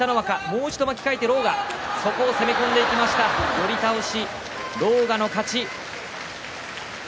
寄り倒し、狼雅の勝ち。